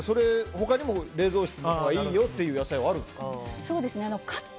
他にも冷蔵室のほうがいいよっていう野菜はあるんですか？